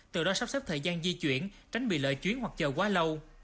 từ đó sắp xếp thời gian di chuyển tránh bị lợi chuyến hoặc chờ quá lâu